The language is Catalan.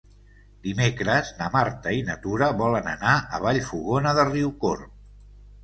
Dimecres na Marta i na Tura volen anar a Vallfogona de Riucorb.